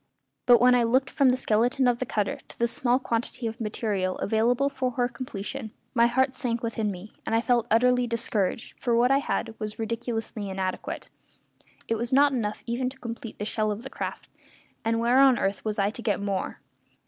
But when I looked from the skeleton of the cutter to the small quantity of material available for her completion, my heart sank within me, and I felt utterly discouraged, for what I had was ridiculously inadequate. It was not enough even to complete the shell of the craft; and where on earth was I to get more?